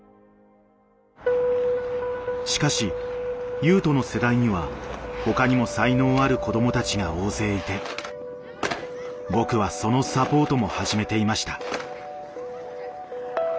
しかし雄斗の世代には他にも才能ある子どもたちが大勢いて僕はそのサポートも始めていました。